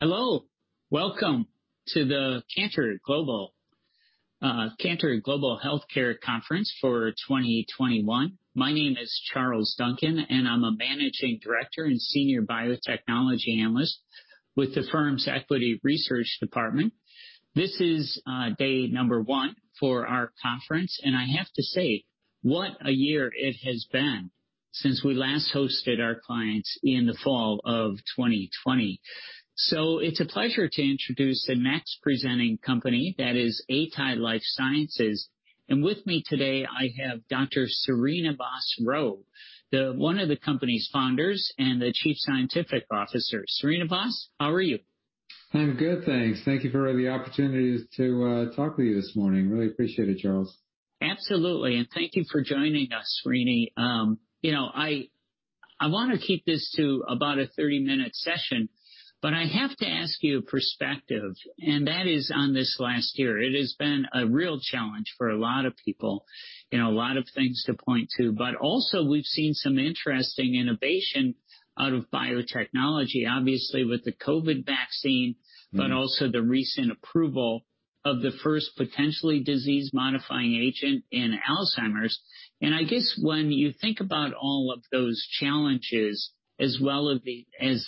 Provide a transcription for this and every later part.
Hello. Welcome to the Cantor Global Healthcare Conference for 2021. My name is Charles Duncan, and I'm a Managing Director and Senior Biotechnology Analyst with the firm's Equity Research Department. This is day number one for our conference, and I have to say, what a year it has been since we last hosted our clients in the fall of 2020. It is a pleasure to introduce the next presenting company that is Atai Life Sciences. With me today, I have Dr. Srinivas Rao, one of the company's founders and the Chief Scientific Officer. Srinivas, how are you? I'm good, thanks. Thank you for the opportunity to talk with you this morning. Really appreciate it, Charles. Absolutely. Thank you for joining us, Srini. You know, I want to keep this to about a 30-minute session, but I have to ask you a perspective, and that is on this last year. It has been a real challenge for a lot of people, you know, a lot of things to point to. Also, we've seen some interesting innovation out of biotechnology, obviously with the COVID vaccine, but also the recent approval of the first potentially disease-modifying agent in Alzheimer's. I guess when you think about all of those challenges, as well as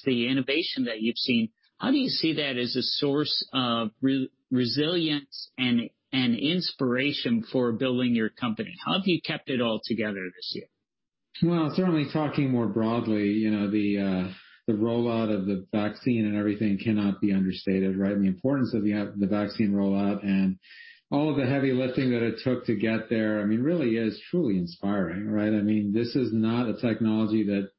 the innovation that you've seen, how do you see that as a source of resilience and inspiration for building your company? How have you kept it all together this year? Certainly, talking more broadly, you know, the rollout of the vaccine and everything cannot be understated, right? The importance of the vaccine rollout and all of the heavy lifting that it took to get there, I mean, really is truly inspiring, right? I mean, this is not a technology that,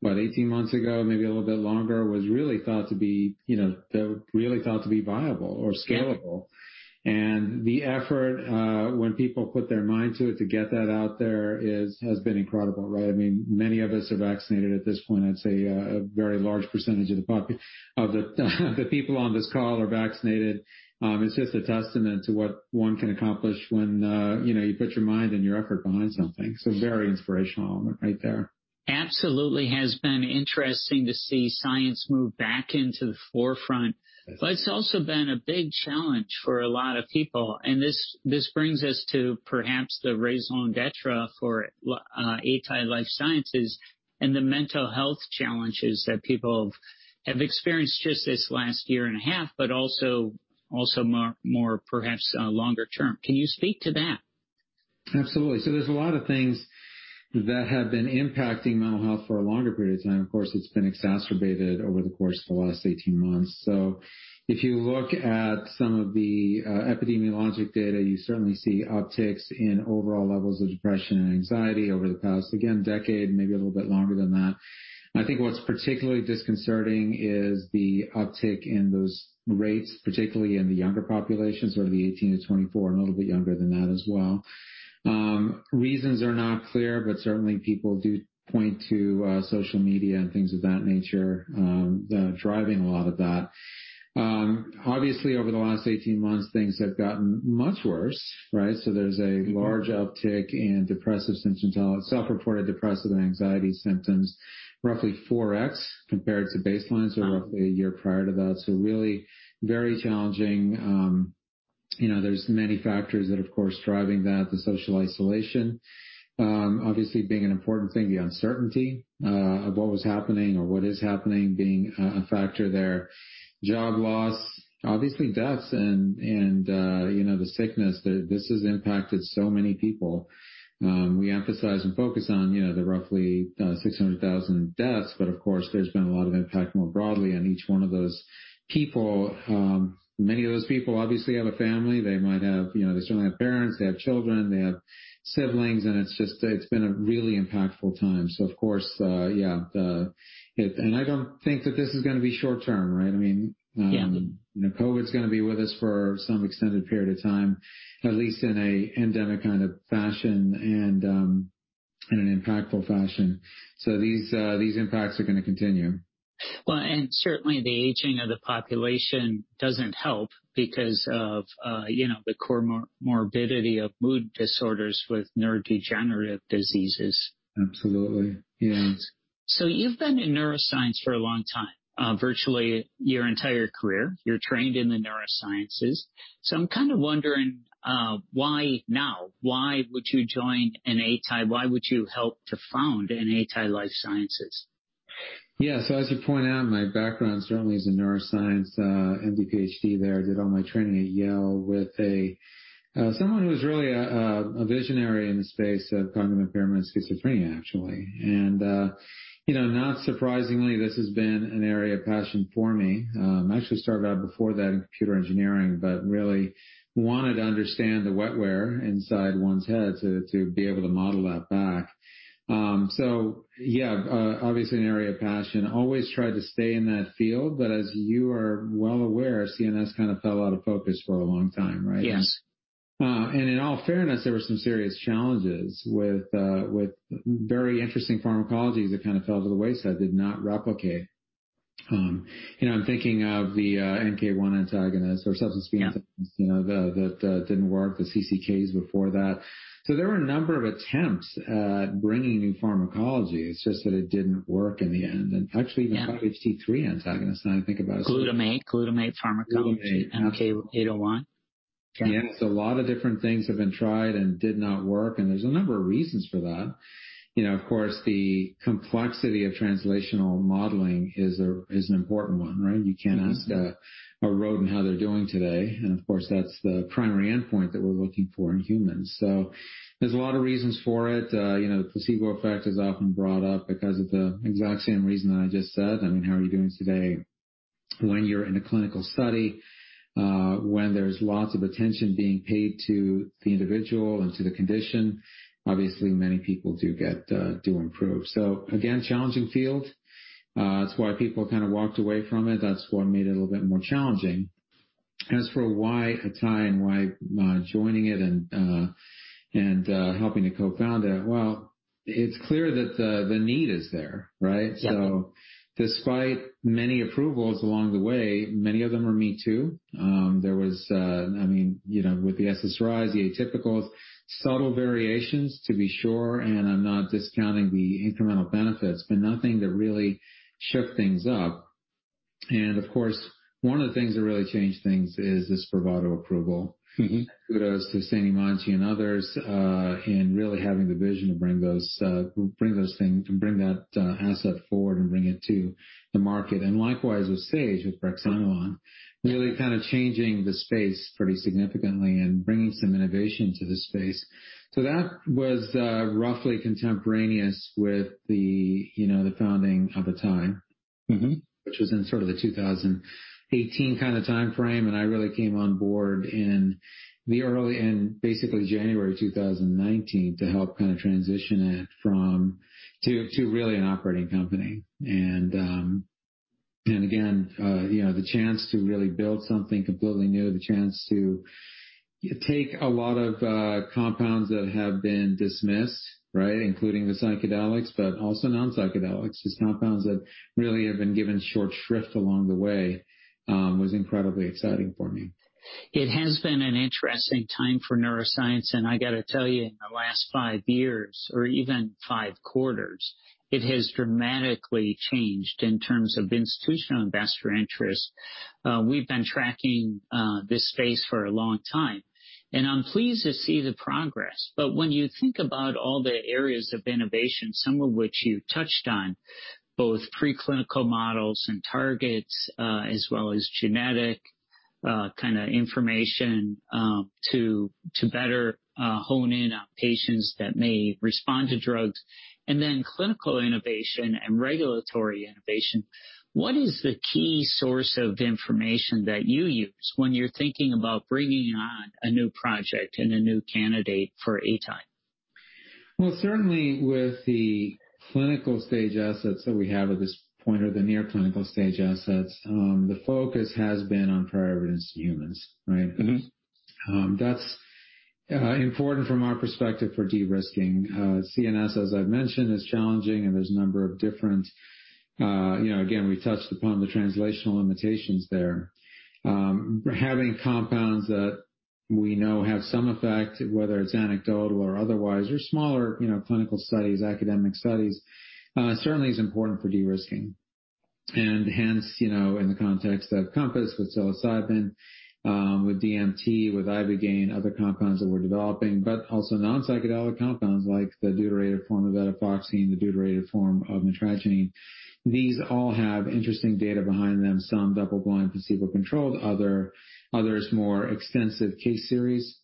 what, 18 months ago, maybe a little bit longer, was really thought to be, you know, really thought to be viable or scalable. The effort, when people put their mind to it, to get that out there has been incredible, right? I mean, many of us are vaccinated at this point. I'd say a very large percentage of the people on this call are vaccinated. It's just a testament to what one can accomplish when, you know, you put your mind and your effort behind something. Very inspirational moment right there. Absolutely has been interesting to see science move back into the forefront, but it's also been a big challenge for a lot of people. This brings us to perhaps the raison d'être for Atai Life Sciences and the mental health challenges that people have experienced just this last year and a half, but also more, perhaps, longer term. Can you speak to that? Absolutely. There are a lot of things that have been impacting mental health for a longer period of time. Of course, it has been exacerbated over the course of the last 18 months. If you look at some of the epidemiologic data, you certainly see upticks in overall levels of depression and anxiety over the past, again, decade, maybe a little bit longer than that. I think what is particularly disconcerting is the uptick in those rates, particularly in the younger populations, sort of the 18 to 24, and a little bit younger than that as well. Reasons are not clear, but certainly people do point to social media and things of that nature driving a lot of that. Obviously, over the last 18 months, things have gotten much worse, right? There is a large uptick in depressive symptoms, self-reported depressive and anxiety symptoms, roughly 4x compared to baselines or roughly a year prior to that. It is really very challenging. You know, there are many factors that, of course, are driving that, the social isolation, obviously being an important thing, the uncertainty of what was happening or what is happening being a factor there, job loss, obviously deaths, and, you know, the sickness. This has impacted so many people. We emphasize and focus on, you know, the roughly 600,000 deaths, but of course, there has been a lot of impact more broadly on each one of those people. Many of those people obviously have a family. They might have, you know, they certainly have parents, they have children, they have siblings, and it is just, it has been a really impactful time. Of course, yeah, and I don't think that this is going to be short term, right? I mean, you know, COVID's going to be with us for some extended period of time, at least in an endemic kind of fashion and in an impactful fashion. These impacts are going to continue. Certainly the aging of the population doesn't help because of, you know, the core morbidity of mood disorders with neurodegenerative diseases. Absolutely. Yeah. You've been in neuroscience for a long time, virtually your entire career. You're trained in the neurosciences. I'm kind of wondering why now, why would you join an Atai? Why would you help to found an Atai Life Sciences? Yeah, as you point out, my background certainly is in neuroscience, MD, PhD there. I did all my training at Yale with someone who was really a visionary in the space of cognitive impairment, schizophrenia, actually. You know, not surprisingly, this has been an area of passion for me. I actually started out before that in computer engineering, but really wanted to understand the wetware inside one's head to be able to model that back. Yeah, obviously an area of passion. Always tried to stay in that field, but as you are well aware, CNS kind of fell out of focus for a long time, right? Yes. In all fairness, there were some serious challenges with very interesting pharmacologies that kind of fell to the wayside, did not replicate. You know, I'm thinking of the NK-1 antagonist or substance-P antagonist, you know, that didn't work, the CCKs before that. There were a number of attempts at bringing new pharmacology. It's just that it didn't work in the end. Actually, even 5-HT3 antagonist, now I think about it. Glutamate, glutamate pharmacology, NK-801. Yeah, so a lot of different things have been tried and did not work, and there's a number of reasons for that. You know, of course, the complexity of translational modeling is an important one, right? You can't ask a rodent how they're doing today. And of course, that's the primary endpoint that we're looking for in humans. So there's a lot of reasons for it. You know, the placebo effect is often brought up because of the exact same reason that I just said. I mean, how are you doing today when you're in a clinical study, when there's lots of attention being paid to the individual and to the condition? Obviously, many people do get do improve. So again, challenging field. That's why people kind of walked away from it. That's what made it a little bit more challenging. As for why Atai and why joining it and helping to co-found it, it's clear that the need is there, right? Despite many approvals along the way, many of them are me too. I mean, you know, with the SSRIs, the atypicals, subtle variations to be sure, and I'm not discounting the incremental benefits, but nothing that really shook things up. Of course, one of the things that really changed things is this brexanolone approval. Kudos to Srinivas and others in really having the vision to bring those things, bring that asset forward and bring it to the market. Likewise with Sage, with brexanolone, really kind of changing the space pretty significantly and bringing some innovation to the space. That was roughly contemporaneous with the, you know, the founding of Atai, which was in sort of the 2018 kind of timeframe. I really came on board in basically January 2019 to help kind of transition it to really an operating company. Again, you know, the chance to really build something completely new, the chance to take a lot of compounds that have been dismissed, right, including the psychedelics, but also non-psychedelics, just compounds that really have been given short shrift along the way was incredibly exciting for me. It has been an interesting time for neuroscience, and I got to tell you, in the last five years or even five quarters, it has dramatically changed in terms of institutional investor interest. We've been tracking this space for a long time, and I'm pleased to see the progress. When you think about all the areas of innovation, some of which you touched on, both preclinical models and targets, as well as genetic kind of information to better hone in on patients that may respond to drugs, and then clinical innovation and regulatory innovation, what is the key source of information that you use when you're thinking about bringing on a new project and a new candidate for Atai? Certainly with the clinical stage assets that we have at this point or the near clinical stage assets, the focus has been on prior evidence in humans, right? That's important from our perspective for de-risking. CNS, as I've mentioned, is challenging, and there's a number of different, you know, again, we touched upon the translational limitations there. Having compounds that we know have some effect, whether it's anecdotal or otherwise, or smaller, you know, clinical studies, academic studies, certainly is important for de-risking. Hence, you know, in the context of Compass with psilocybin, with DMT, with Ibogaine, other compounds that we're developing, but also non-psychedelic compounds like the deuterated form of venlafaxine, the deuterated form of mitragynine. These all have interesting data behind them, some double-blind placebo-controlled, others more extensive case series.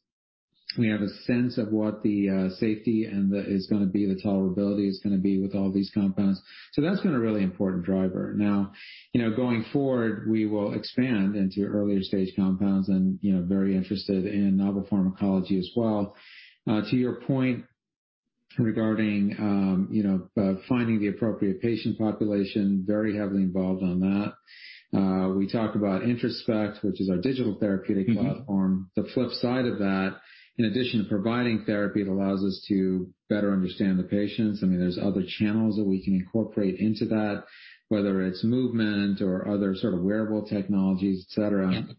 We have a sense of what the safety and the is going to be, the tolerability is going to be with all these compounds. That has been a really important driver. Now, you know, going forward, we will expand into earlier stage compounds and, you know, very interested in novel pharmacology as well. To your point regarding, you know, finding the appropriate patient population, very heavily involved on that. We talk about Introspect, which is our digital therapeutic platform. The flip side of that, in addition to providing therapy, it allows us to better understand the patients. I mean, there are other channels that we can incorporate into that, whether it is movement or other sort of wearable technologies, et cetera. That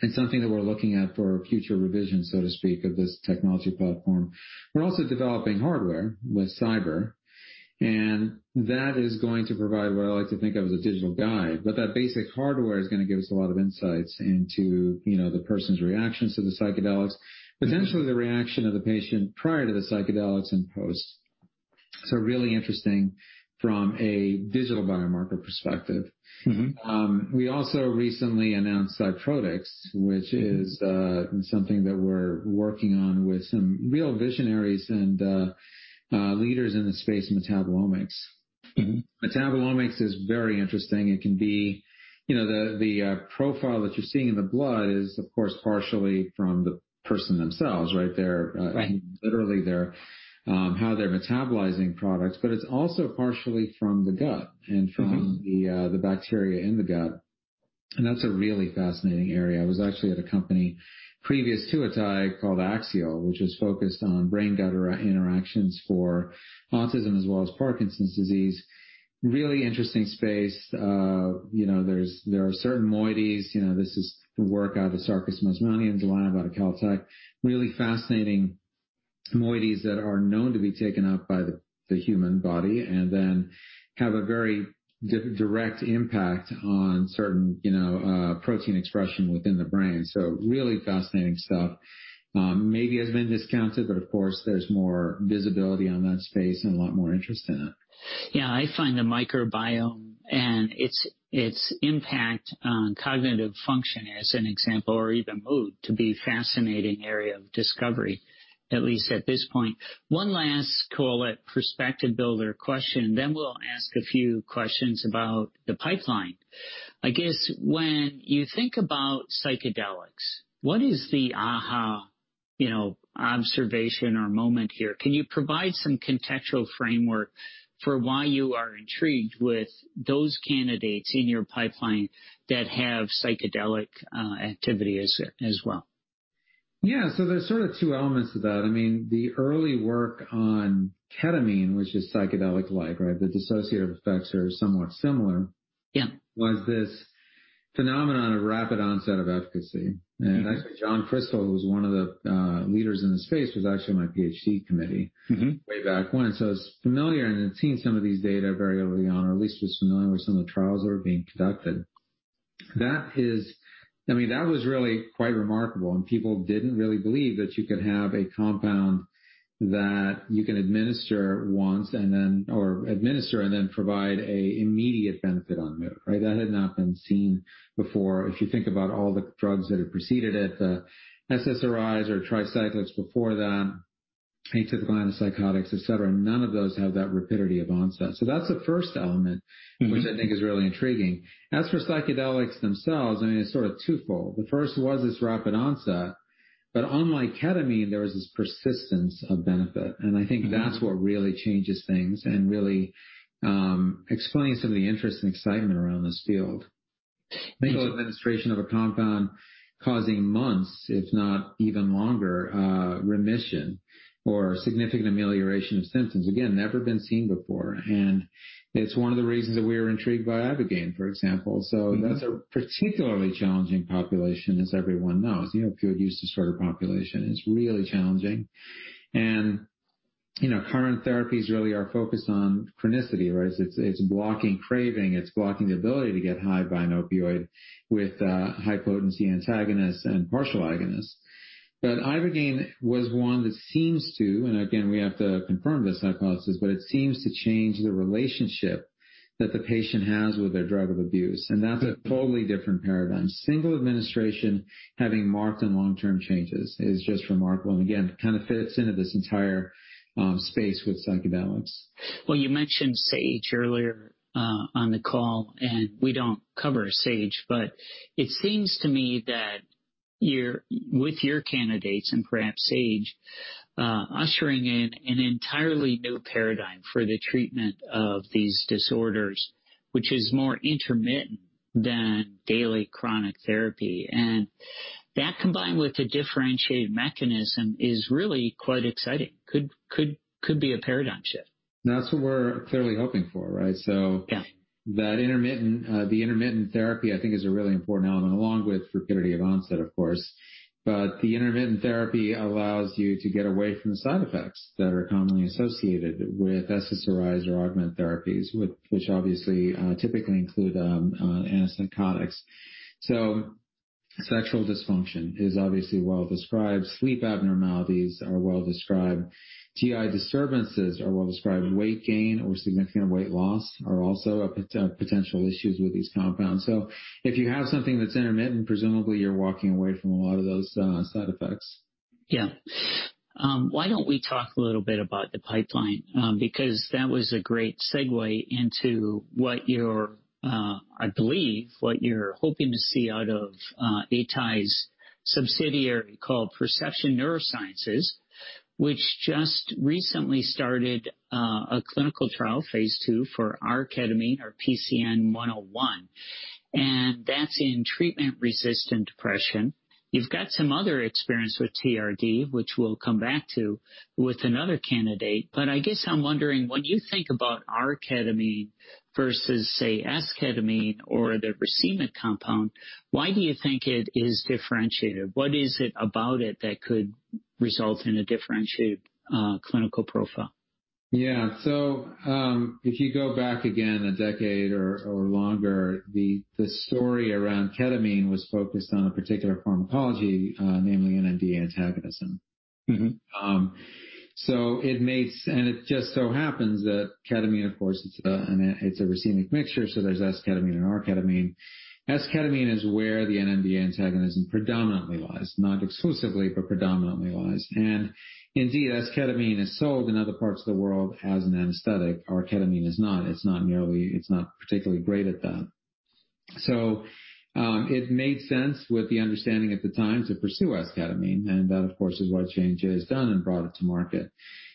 is something that we are looking at for future revision, so to speak, of this technology platform. We're also developing hardware with cyber, and that is going to provide what I like to think of as a digital guide. That basic hardware is going to give us a lot of insights into, you know, the person's reactions to the psychedelics, potentially the reaction of the patient prior to the psychedelics and post. Really interesting from a digital biomarker perspective. We also recently announced CyProdyx, which is something that we're working on with some real visionaries and leaders in the space of metabolomics. Metabolomics is very interesting. It can be, you know, the profile that you're seeing in the blood is, of course, partially from the person themselves, right? They're literally their how they're metabolizing products, but it's also partially from the gut and from the bacteria in the gut. That's a really fascinating area. I was actually at a company previous to Atai called Axiol, which was focused on brain-gut interactions for autism as well as Parkinson's disease. Really interesting space. You know, there are certain moieties, you know, this is the work out of Sarkis Mazmanian in July, about a Caltech, really fascinating moieties that are known to be taken up by the human body and then have a very direct impact on certain, you know, protein expression within the brain. So really fascinating stuff. Maybe has been discounted, but of course, there's more visibility on that space and a lot more interest in it. Yeah, I find the microbiome and its impact on cognitive function as an example or even mood to be a fascinating area of discovery, at least at this point. One last, call it perspective builder question, then we'll ask a few questions about the pipeline. I guess when you think about psychedelics, what is the aha, you know, observation or moment here? Can you provide some contextual framework for why you are intrigued with those candidates in your pipeline that have psychedelic activity as well? Yeah, so there's sort of two elements to that. I mean, the early work on ketamine, which is psychedelic-like, right? The dissociative effects are somewhat similar. Yeah. Was this phenomenon of rapid onset of efficacy. Actually, John Krystal, who was one of the leaders in the space, was actually on my PhD committee way back when. I was familiar and had seen some of these data very early on, or at least was familiar with some of the trials that were being conducted. That is, I mean, that was really quite remarkable. People did not really believe that you could have a compound that you can administer once and then, or administer and then provide an immediate benefit on mood, right? That had not been seen before. If you think about all the drugs that have preceded it, the SSRIs or tricyclics before that, atypical antipsychotics, et cetera, none of those have that rapidity of onset. That is the first element, which I think is really intriguing. As for psychedelics themselves, I mean, it's sort of twofold. The first was this rapid onset, but unlike ketamine, there was this persistence of benefit. I think that's what really changes things and really explains some of the interest and excitement around this field. Single administration of a compound causing months, if not even longer, remission or significant amelioration of symptoms. Again, never been seen before. It's one of the reasons that we were intrigued by Ibogaine, for example. That's a particularly challenging population, as everyone knows. You know, opioid use disorder population is really challenging. You know, current therapies really are focused on chronicity, right? It's blocking craving. It's blocking the ability to get high by an opioid with high potency antagonists and partial agonists. Ibogaine, it was one that seems to, and again, we have to confirm this, hypothesis, but it seems to change the relationship that the patient has with their drug of abuse. That's a totally different paradigm. Single administration having marked in long-term changes is just remarkable. Again, kind of fits into this entire space with psychedelics. You mentioned Sage earlier on the call, and we do not cover Sage, but it seems to me that you are, with your candidates and perhaps Sage, ushering in an entirely new paradigm for the treatment of these disorders, which is more intermittent than daily chronic therapy. That combined with a differentiated mechanism is really quite exciting. Could be a paradigm shift. That's what we're clearly hoping for, right? That intermittent, the intermittent therapy, I think is a really important element along with rapidity of onset, of course. The intermittent therapy allows you to get away from the side effects that are commonly associated with SSRIs or augment therapies, which obviously typically include antipsychotics. Sexual dysfunction is obviously well described. Sleep abnormalities are well described. GI disturbances are well described. Weight gain or significant weight loss are also potential issues with these compounds. If you have something that's intermittent, presumably you're walking away from a lot of those side effects. Yeah. Why don't we talk a little bit about the pipeline? Because that was a great segue into what you're, I believe, what you're hoping to see out of Atai's subsidiary called Perception Neurosciences, which just recently started a clinical trial, phase two for arketamine, our PCN-101. And that's in treatment-resistant depression. You've got some other experience with TRD, which we'll come back to with another candidate. I guess I'm wondering, when you think about arketamine versus, say, esketamine or the racemic compound, why do you think it is differentiated? What is it about it that could result in a differentiated clinical profile? Yeah. If you go back again a decade or longer, the story around ketamine was focused on a particular pharmacology, namely NMDA antagonism. It makes, and it just so happens that ketamine, of course, is a racemic mixture. There is esketamine and arketamine. Esketamine is where the NMDA antagonism predominantly lies, not exclusively, but predominantly lies. Indeed, esketamine is sold in other parts of the world as an anesthetic. Arketamine is not. It is not particularly great at that. It made sense with the understanding at the time to pursue esketamine. That, of course, is why change is done and brought it to market.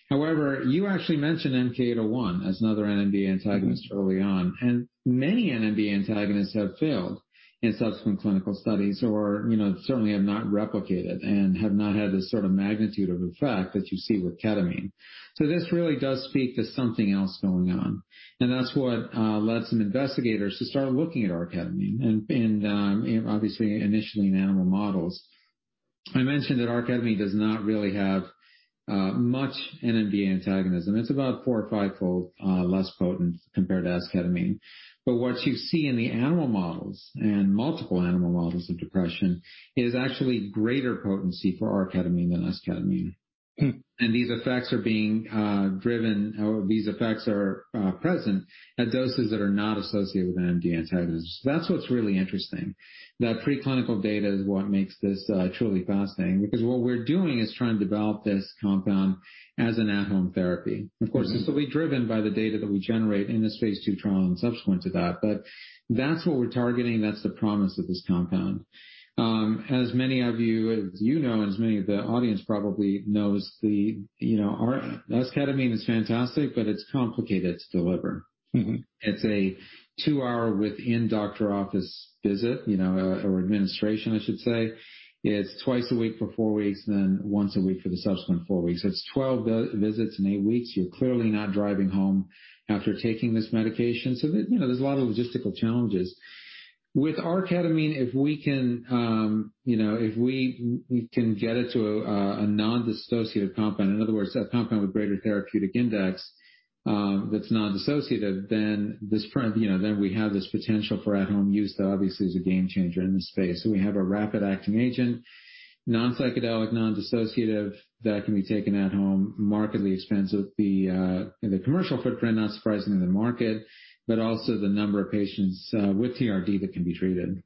However, you actually mentioned MK801 as another NMDA antagonist early on. Many NMDA antagonists have failed in subsequent clinical studies or, you know, certainly have not replicated and have not had the sort of magnitude of effect that you see with ketamine. This really does speak to something else going on. That is what led some investigators to start looking at arketamine and obviously initially in animal models. I mentioned that arketamine does not really have much NMDA antagonism. It is about four- or five-fold less potent compared to esketamine. What you see in the animal models and multiple animal models of depression is actually greater potency for arketamine than esketamine. These effects are being driven, or these effects are present at doses that are not associated with NMDA antagonism. That is what is really interesting. That preclinical data is what makes this truly fascinating because what we're doing is trying to develop this compound as an at-home therapy. Of course, this will be driven by the data that we generate in this phase two trial and subsequent to that. That is what we're targeting. That is the promise of this compound. As many of you, as you know, and as many of the audience probably knows, you know, our esketamine is fantastic, but it's complicated to deliver. It's a two-hour within doctor office visit, you know, or administration, I should say. It's twice a week for four weeks, then once a week for the subsequent four weeks. It's 12 visits in eight weeks. You're clearly not driving home after taking this medication. There is a lot of logistical challenges. With our ketamine, if we can, you know, if we can get it to a non-dissociative compound, in other words, a compound with greater therapeutic index that's non-dissociative, then this, you know, then we have this potential for at-home use that obviously is a game changer in this space. We have a rapid-acting agent, non-psychedelic, non-dissociative that can be taken at home, markedly expensive. The commercial footprint, not surprisingly the market, but also the number of patients with TRD that can be treated.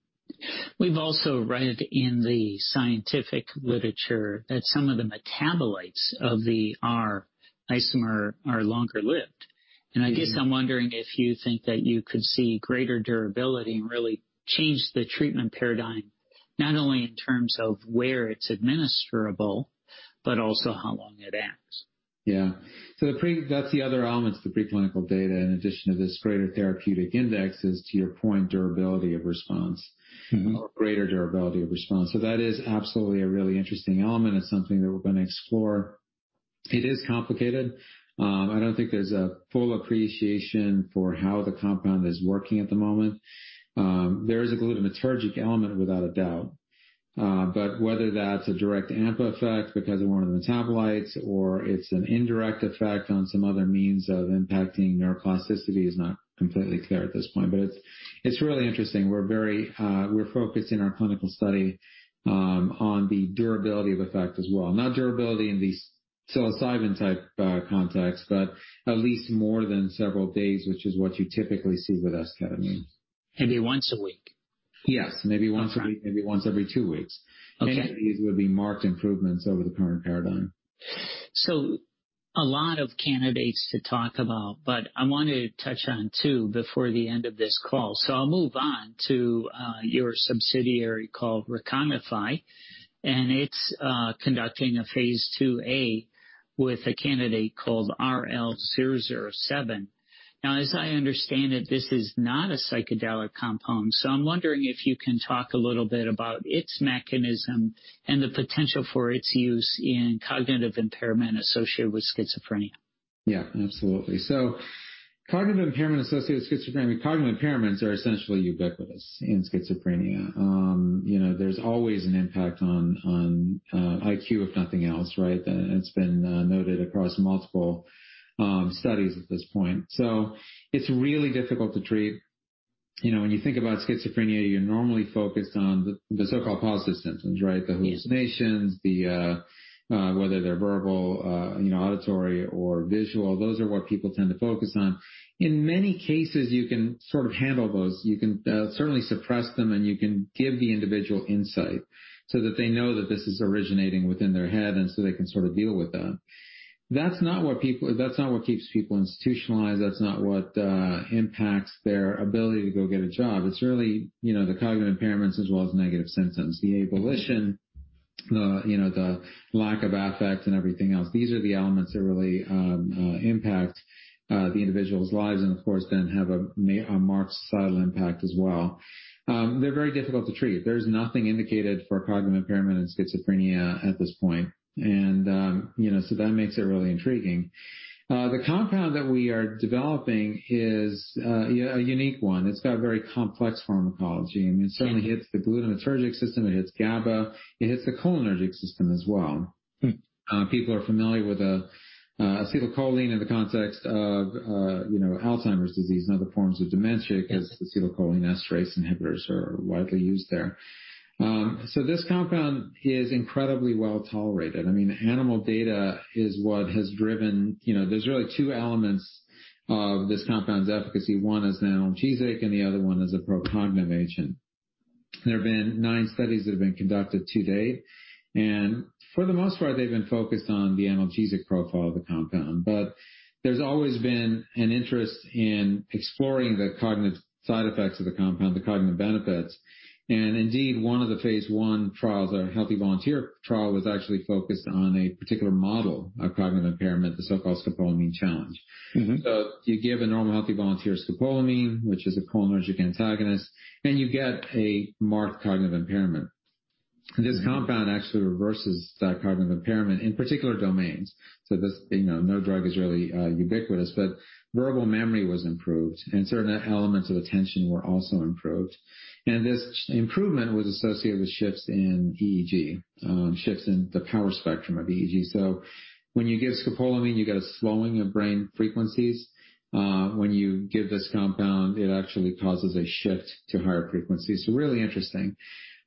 We've also read in the scientific literature that some of the metabolites of our isomer are longer lived. I guess I'm wondering if you think that you could see greater durability and really change the treatment paradigm, not only in terms of where it's administerable, but also how long it acts. Yeah. That is the other element of the preclinical data in addition to this greater therapeutic index, to your point, durability of response or greater durability of response. That is absolutely a really interesting element. It is something that we are going to explore. It is complicated. I do not think there is a full appreciation for how the compound is working at the moment. There is a glutamatergic element without a doubt. Whether that is a direct AMPA effect because of one of the metabolites or it is an indirect effect on some other means of impacting neuroplasticity is not completely clear at this point. It is really interesting. We are very focused in our clinical study on the durability of effect as well. Not durability in these psilocybin-type contexts, but at least more than several days, which is what you typically see with esketamine. Maybe once a week. Yes, maybe once a week, maybe once every two weeks. Okay. These would be marked improvements over the current paradigm. A lot of candidates to talk about, but I want to touch on two before the end of this call. I'll move on to your subsidiary called Recomify. It's conducting a phase two A with a candidate called RL-007. Now, as I understand it, this is not a psychedelic compound. I'm wondering if you can talk a little bit about its mechanism and the potential for its use in cognitive impairment associated with schizophrenia. Yeah, absolutely. Cognitive impairment associated with schizophrenia, cognitive impairments are essentially ubiquitous in schizophrenia. You know, there's always an impact on IQ, if nothing else, right? It's been noted across multiple studies at this point. It's really difficult to treat. You know, when you think about schizophrenia, you're normally focused on the so-called positive symptoms, right? The hallucinations, whether they're verbal, you know, auditory or visual, those are what people tend to focus on. In many cases, you can sort of handle those. You can certainly suppress them and you can give the individual insight so that they know that this is originating within their head and so they can sort of deal with that. That's not what keeps people institutionalized. That's not what impacts their ability to go get a job. It's really, you know, the cognitive impairments as well as negative symptoms. The abolition, you know, the lack of affect and everything else, these are the elements that really impact the individual's lives and of course then have a marked societal impact as well. They're very difficult to treat. There's nothing indicated for cognitive impairment in schizophrenia at this point. You know, so that makes it really intriguing. The compound that we are developing is a unique one. It's got a very complex pharmacology. I mean, it certainly hits the glutamatergic system. It hits GABA. It hits the cholinergic system as well. People are familiar with acetylcholine in the context of, you know, Alzheimer's disease and other forms of dementia because acetylcholine esterase inhibitors are widely used there. This compound is incredibly well tolerated. I mean, animal data is what has driven, you know, there's really two elements of this compound's efficacy. One is an analgesic and the other one is a pro-cognitive agent. There have been nine studies that have been conducted to date. For the most part, they've been focused on the analgesic profile of the compound. There's always been an interest in exploring the cognitive side effects of the compound, the cognitive benefits. Indeed, one of the phase one trials, our healthy volunteer trial, was actually focused on a particular model of cognitive impairment, the so-called scopolamine challenge. You give a normal healthy volunteer scopolamine, which is a cholinergic antagonist, and you get a marked cognitive impairment. This compound actually reverses that cognitive impairment in particular domains. This, you know, no drug is really ubiquitous, but verbal memory was improved and certain elements of attention were also improved. This improvement was associated with shifts in EEG, shifts in the power spectrum of EEG. When you give scopolamine, you get a slowing of brain frequencies. When you give this compound, it actually causes a shift to higher frequencies. Really interesting.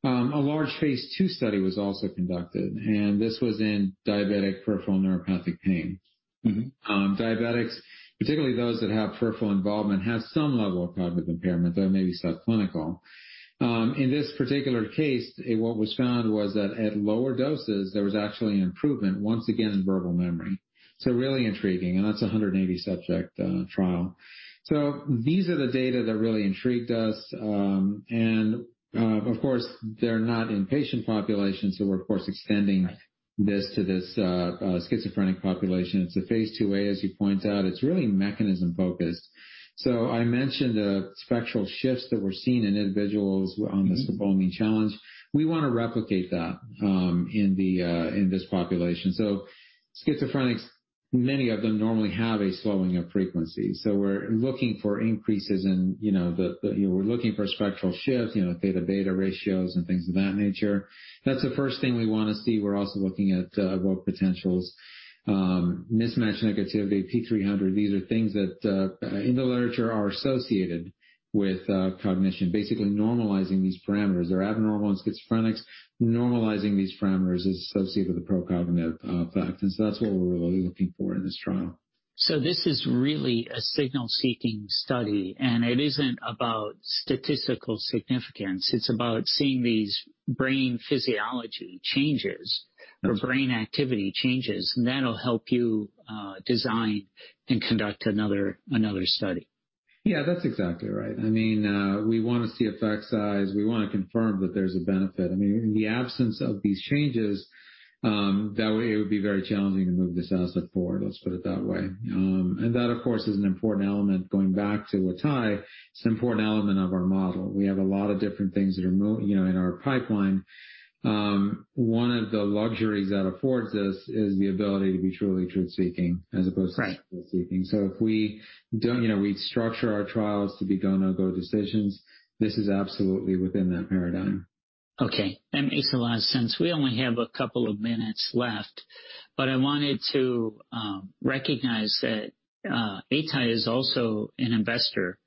A large phase two study was also conducted. This was in diabetic peripheral neuropathic pain. Diabetics, particularly those that have peripheral involvement, have some level of cognitive impairment, though it may be subclinical. In this particular case, what was found was that at lower doses, there was actually an improvement once again in verbal memory. Really intriguing. That is a 180-subject trial. These are the data that really intrigued us. Of course, they're not in patient populations. We're, of course, extending this to this schizophrenic population. It's a phase two A, as you point out. It's really mechanism-focused. I mentioned the spectral shifts that were seen in individuals on the scopolamine challenge. We want to replicate that in this population. Schizophrenics, many of them normally have a slowing of frequencies. We're looking for increases in, you know, we're looking for spectral shifts, you know, theta-beta ratios and things of that nature. That's the first thing we want to see. We're also looking at potentials mismatch negativity, P300. These are things that in the literature are associated with cognition, basically normalizing these parameters. They're abnormal in schizophrenics. Normalizing these parameters is associated with the pro-cognitive effect. That's what we're really looking for in this trial. This is really a signal-seeking study. It isn't about statistical significance. It's about seeing these brain physiology changes or brain activity changes. That'll help you design and conduct another study. Yeah, that's exactly right. I mean, we want to see effect size. We want to confirm that there's a benefit. I mean, in the absence of these changes, that way it would be very challenging to move this asset forward, let's put it that way. That, of course, is an important element going back to Atai. It's an important element of our model. We have a lot of different things that are, you know, in our pipeline. One of the luxuries that affords us is the ability to be truly truth-seeking as opposed to seeking. If we, you know, we structure our trials to be go, no, go decisions, this is absolutely within that paradigm. Okay. Axiol, since we only have a couple of minutes left, I wanted to recognize that Atai is also an investor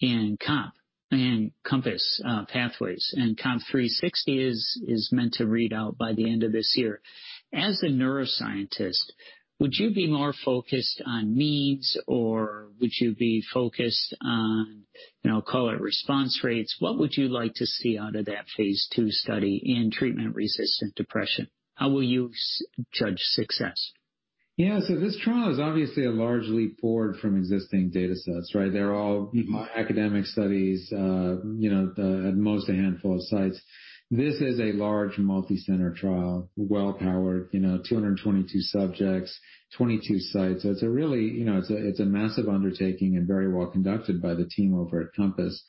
in COMP and Compass Pathways. COMP 360 is meant to read out by the end of this year. As a neuroscientist, would you be more focused on needs or would you be focused on, you know, call it response rates? What would you like to see out of that phase two study in treatment-resistant depression? How will you judge success? Yeah, so this trial is obviously a large leap forward from existing data sets, right? They're all academic studies, you know, at most a handful of sites. This is a large multi-center trial, well-powered, you know, 222 subjects, 22 sites. It is a really, you know, it's a massive undertaking and very well conducted by the team over at Compass.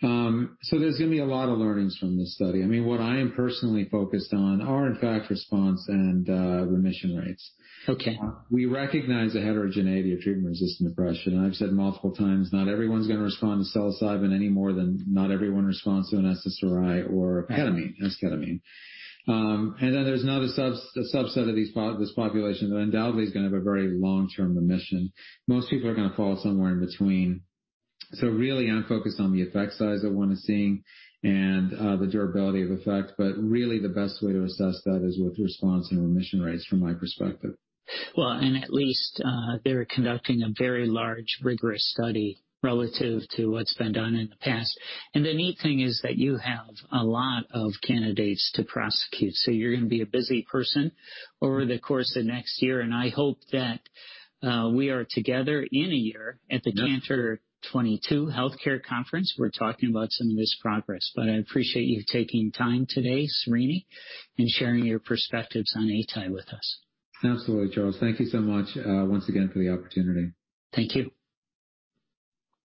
There is going to be a lot of learnings from this study. I mean, what I am personally focused on are in fact response and remission rates. Okay. We recognize the heterogeneity of treatment-resistant depression. I've said multiple times, not everyone's going to respond to psilocybin any more than not everyone responds to an SSRI or ketamine, esketamine. There is another subset of this population that undoubtedly is going to have a very long-term remission. Most people are going to fall somewhere in between. I am focused on the effect size I want to see and the durability of effect. The best way to assess that is with response and remission rates from my perspective. At least they're conducting a very large, rigorous study relative to what's been done in the past. The neat thing is that you have a lot of candidates to prosecute. You're going to be a busy person over the course of next year. I hope that we are together in a year at the Cantor 22 Healthcare Conference. We're talking about some of this progress, but I appreciate you taking time today, Srini, and sharing your perspectives on Atai with us. Absolutely, Charles. Thank you so much once again for the opportunity. Thank you.